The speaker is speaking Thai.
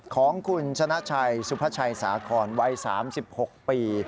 ของคุณชนะชัยสุพชัยสาคอนวัย๓๖ปี